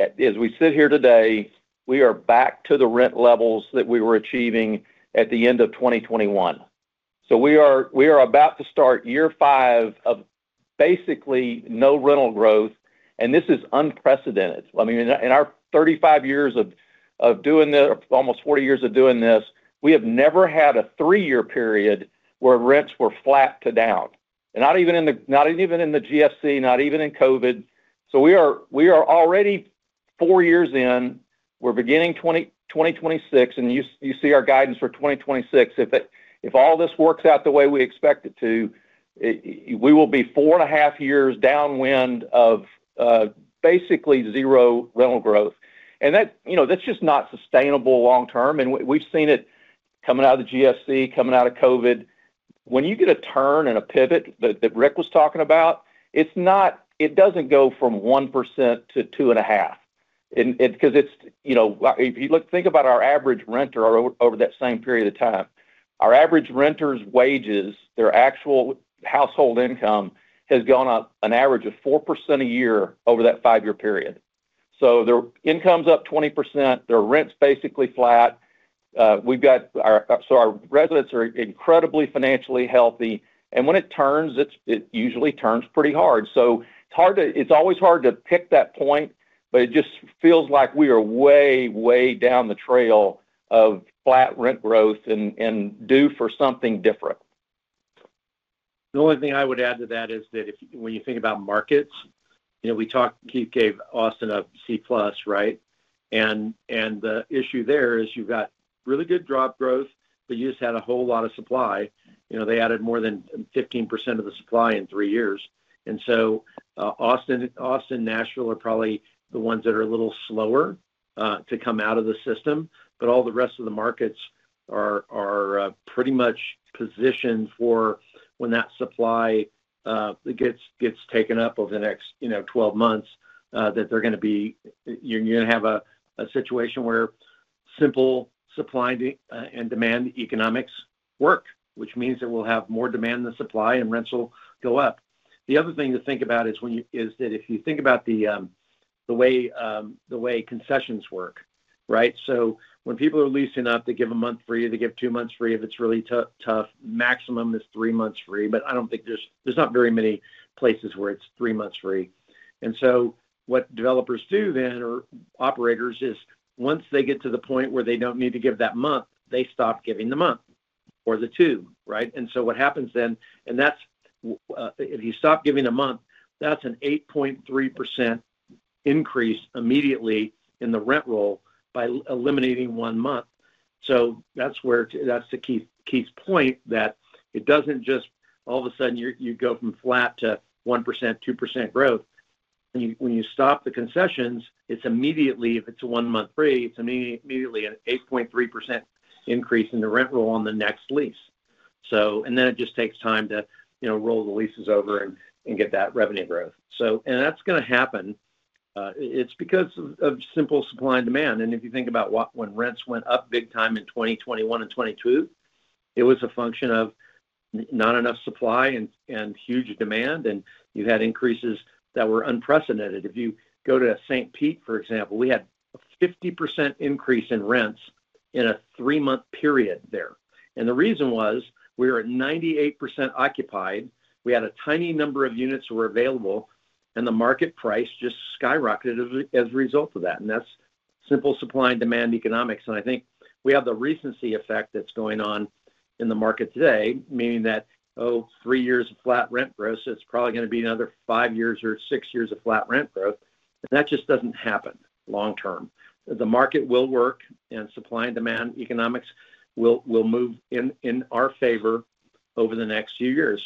as we sit here today, we are back to the rent levels that we were achieving at the end of 2021. So we are, we are about to start year five of basically no rental growth, and this is unprecedented. I mean, in our 35 years of doing this, almost 40 years of doing this, we have never had a three-year period where rents were flat to down, and not even in the GFC, not even in COVID. So we are already four years in. We're beginning 2026, and you see our guidance for 2026. If all this works out the way we expect it to, we will be 4.5 years downwind of basically zero rental growth. And that, you know, that's just not sustainable long term, and we've seen it coming out of the GFC, coming out of COVID. When you get a turn and a pivot that Ric was talking about, it doesn't go from 1% to 2.5%. Because it's, you know, if you look, think about our average renter over that same period of time. Our average renter's wages, their actual household income, has gone up an average of 4% a year over that five-year period. So their income's up 20%, their rent's basically flat. We've got our... So our residents are incredibly financially healthy, and when it turns, it usually turns pretty hard. So it's hard to, it's always hard to pick that point, but it just feels like we are way, way down the trail of flat rent growth and due for something different. The only thing I would add to that is that if, when you think about markets, you know, we talked, Keith gave Austin a C+, right? And the issue there is you've got really good job growth, but you just had a whole lot of supply. You know, they added more than 15% of the supply in three years. And so, Austin, Nashville, are probably the ones that are a little slower to come out of the system. But all the rest of the markets are pretty much positioned for when that supply gets taken up over the next, you know, 12 months, that they're gonna be... You're gonna have a situation where simple supply and demand economics work, which means that we'll have more demand than supply, and rents will go up. The other thing to think about is that if you think about the way concessions work, right? So when people are leasing up, they give a month free, they give two months free. If it's really tough, maximum is three months free, but I don't think there's not very many places where it's three months free. And so what developers do then, or operators, is once they get to the point where they don't need to give that month, they stop giving the month or the two, right? And so what happens then, and that's if you stop giving a month, that's an 8.3% increase immediately in the rent roll by eliminating one month. So that's where, that's the key, Keith's point, that it doesn't just all of a sudden, you go from flat to 1%, 2% growth. When you stop the concessions, it's immediately if it's a one-month free, it's immediately an 8.3% increase in the rent roll on the next lease. So and then it just takes time to, you know, roll the leases over and get that revenue growth. So and that's gonna happen. It's because of simple supply and demand. And if you think about what when rents went up big time in 2021 and 2022, it was a function of not enough supply and huge demand, and you had increases that were unprecedented. If you go to St. Pete, for example, we had a 50% increase in rents in a three-month period there. And the reason was, we were at 98% occupied. We had a tiny number of units were available, and the market price just skyrocketed as a, as a result of that, and that's simple supply and demand economics. And I think we have the recency effect that's going on in the market today, meaning that, oh, three years of flat rent growth, it's probably gonna be another five years or six years of flat rent growth, and that just doesn't happen long term. The market will work, and supply and demand economics will, will move in, in our favor over the next few years.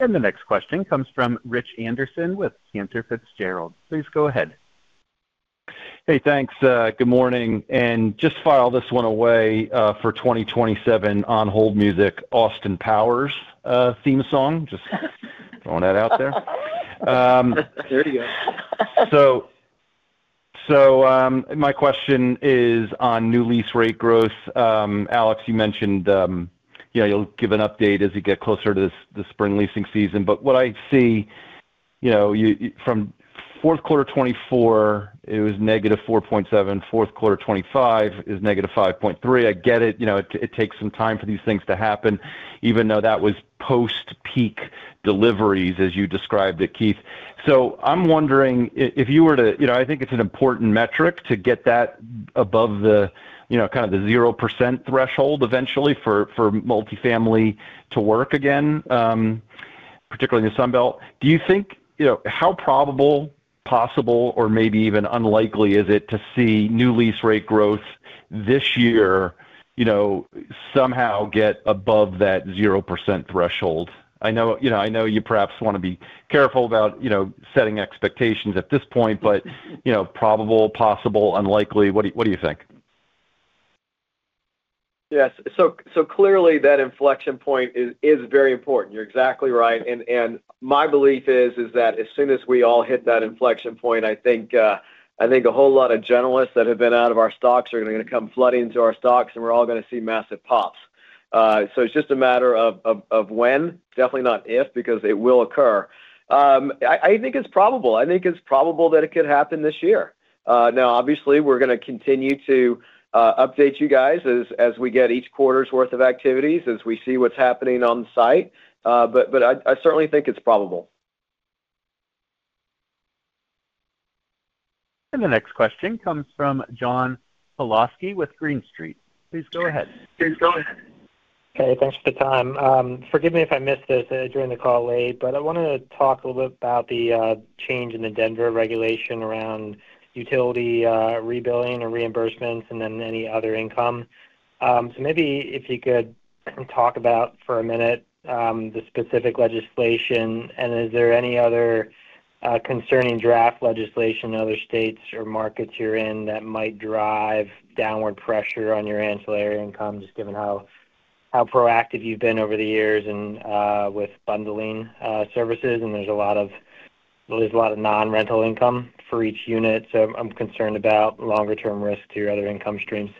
The next question comes from Rich Anderson with Cantor Fitzgerald. Please go ahead. Hey, thanks, good morning, and just file this one away for 2027 on-hold music, Austin Powers theme song. Just throwing that out there. There you go. So, my question is on new lease rate growth. Alex, you mentioned, you know, you'll give an update as we get closer to the spring leasing season. But what I see, you know, you from fourth quarter 2024, it was -4.7%. Fourth quarter 2025 is -5.3%. I get it, you know, it takes some time for these things to happen, even though that was post-peak deliveries, as you described it, Keith. So I'm wondering, if you were to. You know, I think it's an important metric to get that above the, you know, kind of the 0% threshold eventually for multifamily to work again, particularly in the Sun Belt. Do you think, you know, how probable, possible or maybe even unlikely is it to see new lease rate growth this year, you know, somehow get above that 0% threshold? I know, you know, I know you perhaps want to be careful about, you know, setting expectations at this point, but, you know, probable, possible, unlikely. What do, what do you think? Yes. So clearly, that inflection point is very important. You're exactly right. And my belief is that as soon as we all hit that inflection point, I think a whole lot of generalists that have been out of our stocks are gonna come flooding into our stocks, and we're all gonna see massive pops. So it's just a matter of when, definitely not if, because it will occur. I think it's probable. I think it's probable that it could happen this year. Now, obviously, we're gonna continue to update you guys as we get each quarter's worth of activities, as we see what's happening on site. But I certainly think it's probable. The next question comes from John Pawlowski with Green Street. Please go ahead. Please go ahead. Okay, thanks for the time. Forgive me if I missed this during the call late, but I wanted to talk a little bit about the change in the Denver regulation around utility rebilling and reimbursements and then any other income. So maybe if you could talk about for a minute the specific legislation, and is there any other concerning draft legislation in other states or markets you're in that might drive downward pressure on your ancillary incomes, given how proactive you've been over the years and with bundling services? And there's a lot of non-rental income for each unit, so I'm concerned about longer-term risk to your other income streams.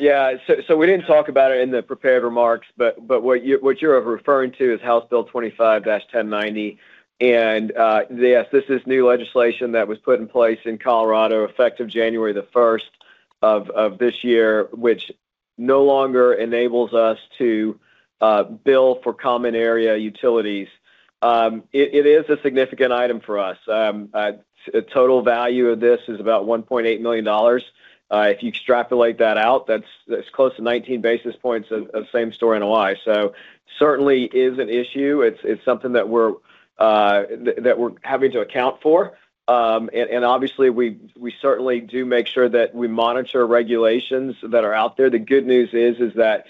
Yeah. So we didn't talk about it in the prepared remarks, but what you're referring to is House Bill 25-1090. And yes, this is new legislation that was put in place in Colorado, effective January 1 of this year, which no longer enables us to bill for common area utilities. It is a significant item for us. The total value of this is about $1.8 million. If you extrapolate that out, that's close to 19 basis points of same-store NOI. So certainly is an issue. It's something that we're having to account for. And obviously, we certainly do make sure that we monitor regulations that are out there. The good news is that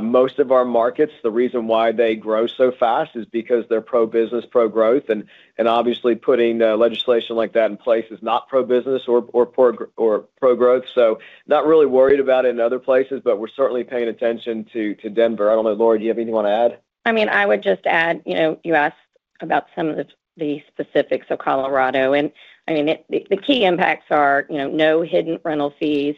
most of our markets, the reason why they grow so fast is because they're pro-business, pro-growth, and obviously putting legislation like that in place is not pro-business or pro-growth. So not really worried about it in other places, but we're certainly paying attention to Denver. I don't know. Laurie, do you have anything you want to add? I mean, I would just add, you know, you asked about some of the specifics of Colorado. And I mean, the key impacts are, you know, no hidden rental fees,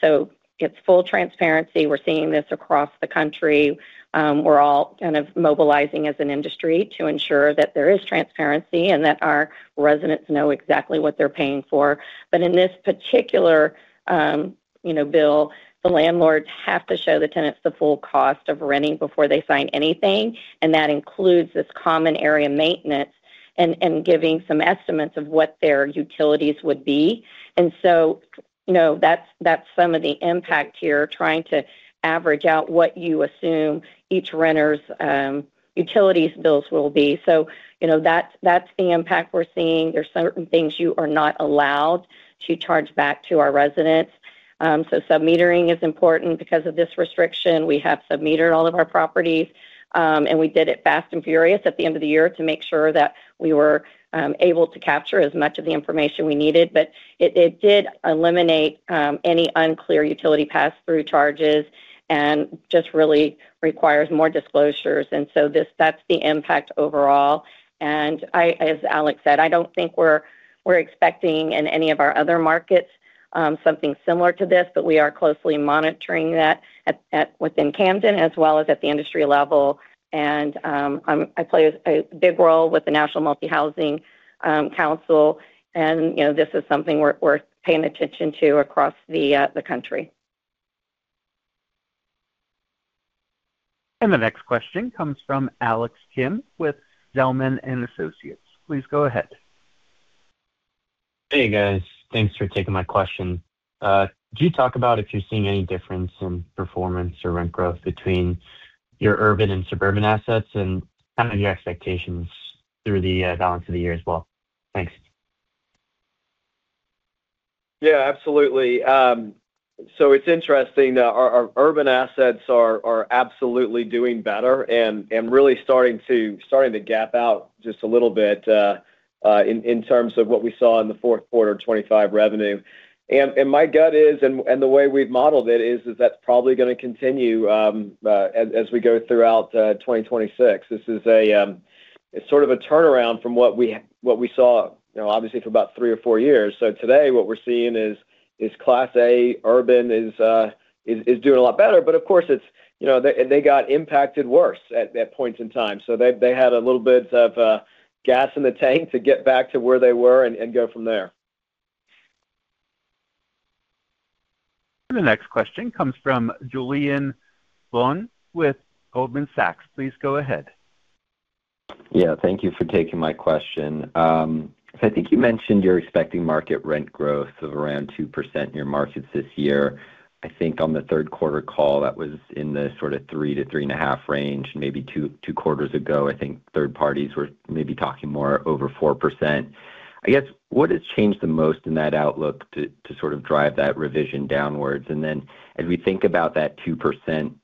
so it's full transparency. We're seeing this across the country. We're all kind of mobilizing as an industry to ensure that there is transparency and that our residents know exactly what they're paying for. But in this particular, you know, bill, the landlords have to show the tenants the full cost of renting before they sign anything, and that includes this common area maintenance and giving some estimates of what their utilities would be. And so, you know, that's some of the impact here, trying to average out what you assume each renter's utilities bills will be. So, you know, that's the impact we're seeing. There are certain things you are not allowed to charge back to our residents. So sub-metering is important because of this restriction. We have sub-metered all of our properties, and we did it fast and furious at the end of the year to make sure that we were able to capture as much of the information we needed. But it, it did eliminate any unclear utility pass-through charges and just really requires more disclosures. And so this- that's the impact overall. And I, as Alex said, I don't think we're, we're expecting in any of our other markets something similar to this, but we are closely monitoring that at, at- within Camden as well as at the industry level. I play a big role with the National Multifamily Housing Council, and, you know, this is something we're paying attention to across the country. The next question comes from Alex Kim with Zelman & Associates. Please go ahead. Hey, guys. Thanks for taking my question. Could you talk about if you're seeing any difference in performance or rent growth between your urban and suburban assets, and kind of your expectations through the balance of the year as well? Thanks. Yeah, absolutely. So it's interesting, our urban assets are absolutely doing better and really starting to gap out just a little bit, in terms of what we saw in the fourth quarter of 2025 revenue. And my gut is, the way we've modeled it, is that that's probably gonna continue, as we go throughout 2026. This is a, it's sort of a turnaround from what we saw, you know, obviously for about three or four years. So today, what we're seeing is Class A urban is doing a lot better. But of course, it's, you know, they got impacted worse at that point in time. So they had a little bit of gas in the tank to get back to where they were and go from there. The next question comes from Julien Blouin with Goldman Sachs. Please go ahead. Yeah, thank you for taking my question. So I think you mentioned you're expecting market rent growth of around 2% in your markets this year. I think on the third quarter call, that was in the sort of 3%-3.5% range, maybe two, two quarters ago. I think third parties were maybe talking more over 4%. I guess, what has changed the most in that outlook to, to sort of drive that revision downwards? And then, as we think about that 2%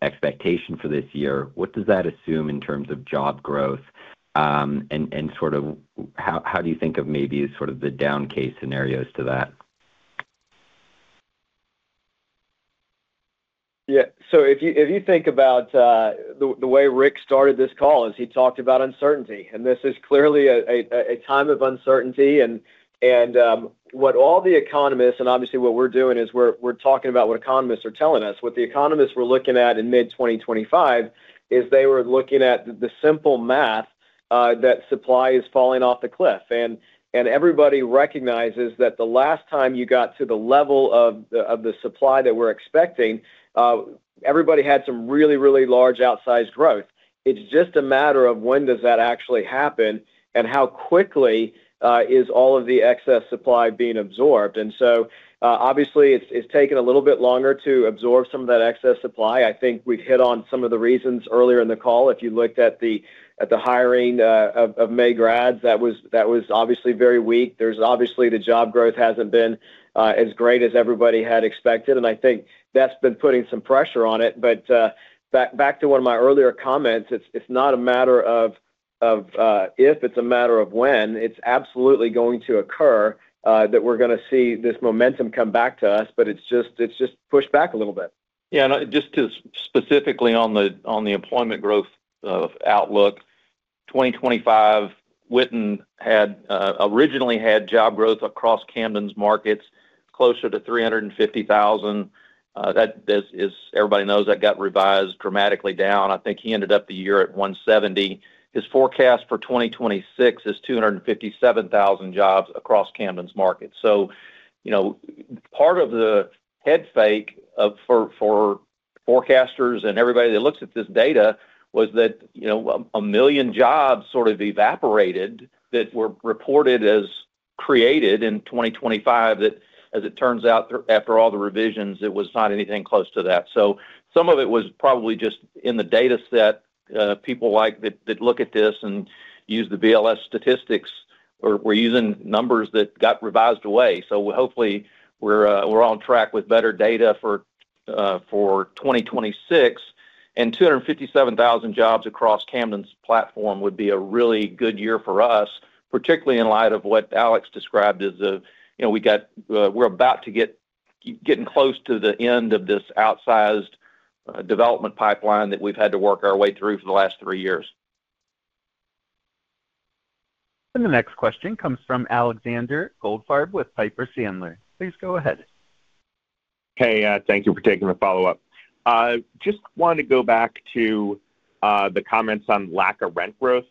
expectation for this year, what does that assume in terms of job growth? And, and sort of how, how do you think of maybe sort of the down case scenarios to that? Yeah, so if you think about the way Ric started this call, is he talked about uncertainty, and this is clearly a time of uncertainty. What all the economists, and obviously what we're doing is we're talking about what economists are telling us. What the economists were looking at in mid-2025 is they were looking at the simple math that supply is falling off the cliff. Everybody recognizes that the last time you got to the level of the supply that we're expecting, everybody had some really large outsized growth. It's just a matter of when does that actually happen, and how quickly is all of the excess supply being absorbed? Obviously, it's taken a little bit longer to absorb some of that excess supply. I think we've hit on some of the reasons earlier in the call. If you looked at the hiring of May grads, that was obviously very weak. There's obviously the job growth hasn't been as great as everybody had expected, and I think that's been putting some pressure on it. But back to one of my earlier comments, it's not a matter of if, it's a matter of when. It's absolutely going to occur that we're gonna see this momentum come back to us, but it's just pushed back a little bit. Yeah, and just to specifically on the employment growth outlook, 2025, Witten had originally had job growth across Camden's markets closer to 350,000. That, as everybody knows, got revised dramatically down. I think he ended up the year at 170. His forecast for 2026 is 257,000 jobs across Camden's market. So, you know, part of the head fake for forecasters and everybody that looks at this data was that, you know, 1 million jobs sort of evaporated that were reported as created in 2025. That, as it turns out, after all the revisions, it was not anything close to that. So some of it was probably just in the data set. People like that, that look at this and use the BLS statistics were using numbers that got revised away. So hopefully, we're on track with better data for 2026. And 257,000 jobs across Camden's platform would be a really good year for us, particularly in light of what Alex described as the, you know, we got - we're about to getting close to the end of this outsized, development pipeline that we've had to work our way through for the last three years. The next question comes from Alexander Goldfarb with Piper Sandler. Please go ahead. Hey, thank you for taking the follow-up. Just wanted to go back to the comments on lack of rent growth.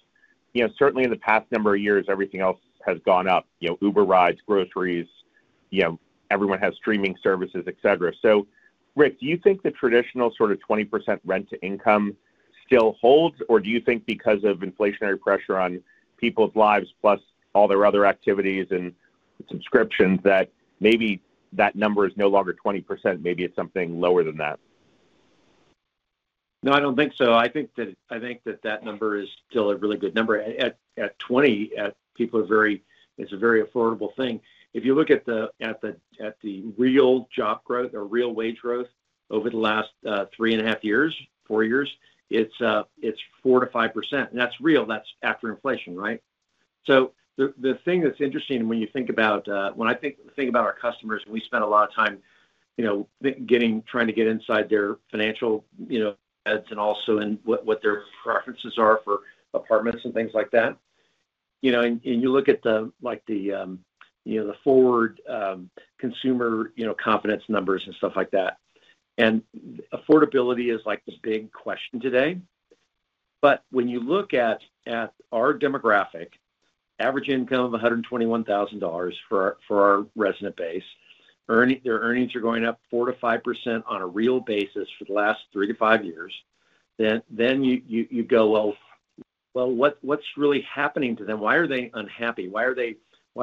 You know, certainly in the past number of years, everything else has gone up, you know, Uber rides, groceries, you know, everyone has streaming services, et cetera. So Ric, do you think the traditional sort of 20% rent-to-income still holds? Or do you think because of inflationary pressure on people's lives, plus all their other activities and subscriptions, that maybe that number is no longer 20%, maybe it's something lower than that? No, I don't think so. I think that, I think that that number is still a really good number. At 20, people are very - it's a very affordable thing. If you look at the real job growth or real wage growth over the last three and a half years, four years, it's 4%-5%, and that's real. That's after inflation, right? So the thing that's interesting when you think about... When I think about our customers, and we spend a lot of time, you know, trying to get inside their financial, you know, heads and also in what their preferences are for apartments and things like that. You know, and you look at the, like, the forward consumer confidence numbers and stuff like that. Affordability is, like, the big question today. But when you look at our demographic, average income of $121,000 for our resident base, their earnings are going up 4%-5% on a real basis for the last three to five years. Then you go, "Well, what’s really happening to them? Why are they unhappy? Why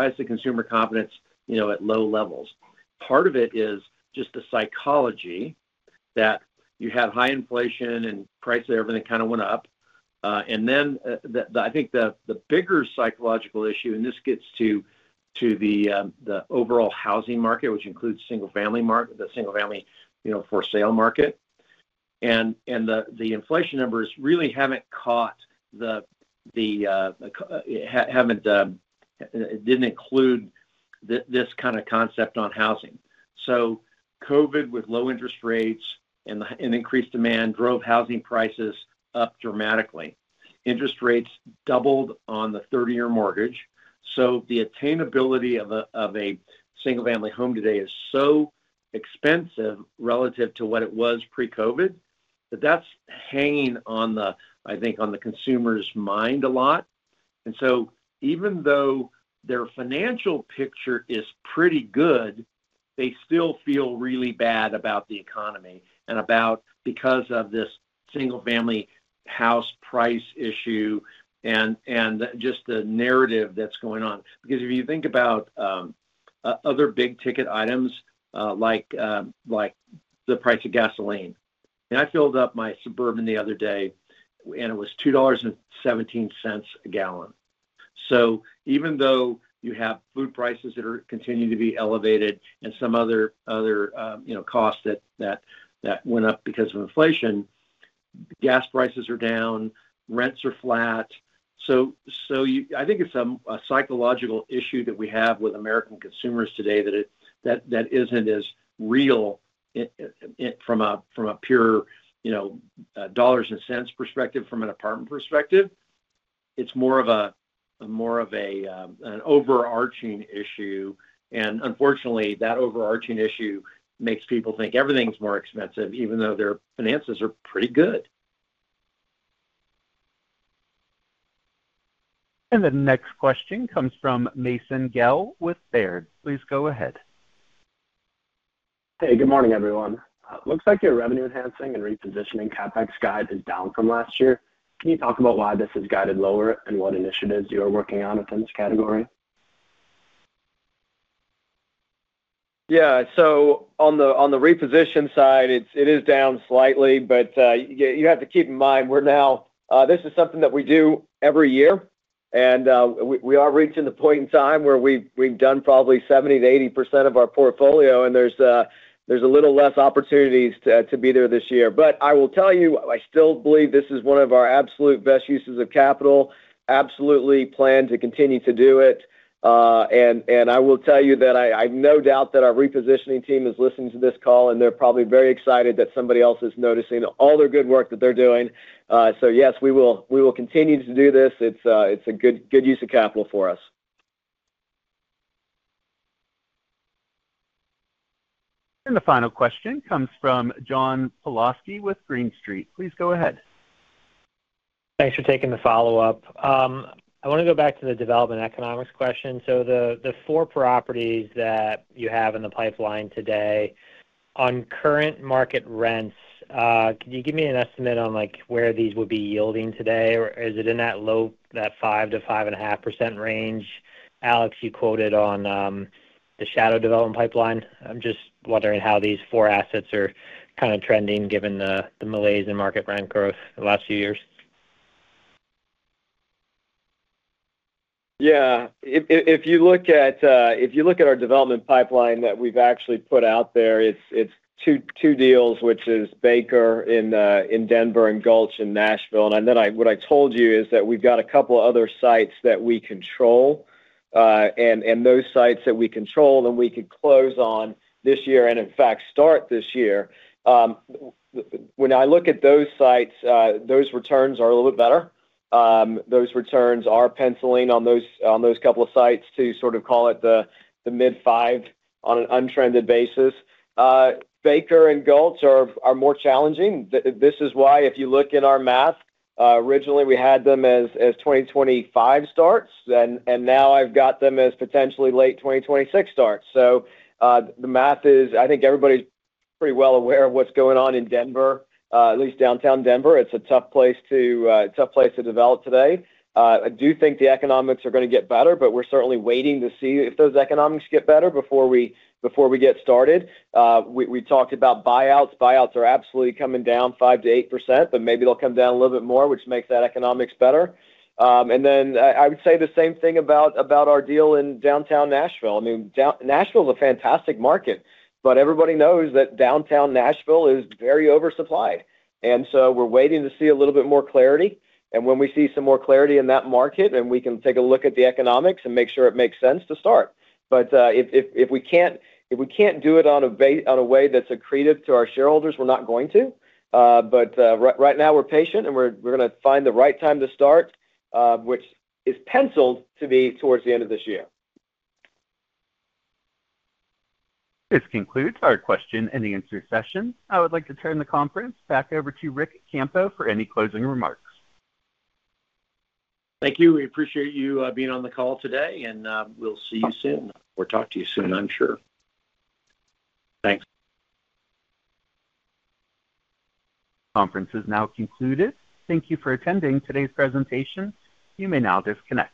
is the consumer confidence, you know, at low levels?" Part of it is just the psychology, that you have high inflation and prices of everything kind of went up. And then, I think the bigger psychological issue, and this gets to the overall housing market, which includes single-family market, the single-family, you know, for sale market. And the inflation numbers really haven't caught this kind of concept on housing. So COVID, with low interest rates and increased demand, drove housing prices up dramatically. Interest rates doubled on the 30-year mortgage, so the attainability of a single-family home today is so expensive relative to what it was pre-COVID, that that's hanging on the, I think, on the consumer's mind a lot. And so even though their financial picture is pretty good, they still feel really bad about the economy and about because of this single-family house price issue and just the narrative that's going on. Because if you think about, other big-ticket items, like, like the price of gasoline, and I filled up my Suburban the other day, and it was $2.17 a gallon. So even though you have food prices that are continuing to be elevated and some other, other, you know, costs that went up because of inflation, gas prices are down, rents are flat. So you— I think it's a psychological issue that we have with American consumers today that isn't as real from a, from a pure, you know, dollars and cents perspective, from an apartment perspective. It's more of a, more of a, an overarching issue, and unfortunately, that overarching issue makes people think everything's more expensive, even though their finances are pretty good. The next question comes from Mason Marion with Baird. Please go ahead. Hey, good morning, everyone. Looks like your revenue enhancing and repositioning CapEx guide is down from last year. Can you talk about why this has guided lower and what initiatives you are working on within this category? Yeah. So on the, on the reposition side, it is down slightly, but you have to keep in mind, we're now this is something that we do every year, and we are reaching the point in time where we've done probably 70%-80% of our portfolio, and there's a little less opportunities to be there this year. But I will tell you, I still believe this is one of our absolute best uses of capital. Absolutely plan to continue to do it. And I will tell you that I have no doubt that our repositioning team is listening to this call, and they're probably very excited that somebody else is noticing all the good work that they're doing. So yes, we will continue to do this. It's a good use of capital for us. The final question comes from John Pawlowski with Green Street. Please go ahead. Thanks for taking the follow-up. I want to go back to the development economics question. So the four properties that you have in the pipeline today, on current market rents, can you give me an estimate on, like, where these would be yielding today? Or is it in that low, that 5%-5.5% range? Alex, you quoted on the shadow development pipeline. I'm just wondering how these four assets are kind of trending, given the malaise in market rent growth in the last few years. Yeah. If you look at our development pipeline that we've actually put out there, it's two deals, which is Baker in Denver and Gulch in Nashville. And then what I told you is that we've got a couple other sites that we control, and those sites that we control, and we could close on this year, and in fact, start this year. When I look at those sites, those returns are a little bit better. Those returns are penciling on those couple of sites to sort of call it the mid five on an untrended basis. Baker and Gulch are more challenging. This is why, if you look in our math, originally we had them as 2025 starts, then, and now I've got them as potentially late 2026 starts. So, the math is... I think everybody's pretty well aware of what's going on in Denver, at least downtown Denver. It's a tough place to tough place to develop today. I do think the economics are gonna get better, but we're certainly waiting to see if those economics get better before we get started. We talked about buyouts. Buyouts are absolutely coming down 5%-8%, but maybe they'll come down a little bit more, which makes that economics better. And then, I would say the same thing about our deal in downtown Nashville. I mean, Nashville is a fantastic market, but everybody knows that downtown Nashville is very oversupplied. And so we're waiting to see a little bit more clarity, and when we see some more clarity in that market, then we can take a look at the economics and make sure it makes sense to start. But if we can't do it on a way that's accretive to our shareholders, we're not going to. But right now we're patient, and we're gonna find the right time to start, which is penciled to be towards the end of this year. This concludes our question and answer session. I would like to turn the conference back over to Ric Campo for any closing remarks. Thank you. We appreciate you being on the call today, and we'll see you soon, or talk to you soon, I'm sure. Thanks. Conference is now concluded. Thank you for attending today's presentation. You may now disconnect.